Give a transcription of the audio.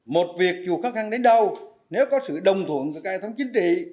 một việc dù khó khăn đến đâu nếu có sự đồng thuận với các hệ thống chính trị